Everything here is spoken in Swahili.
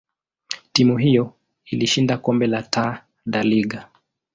timu hiyo ilishinda kombe la Taa da Liga.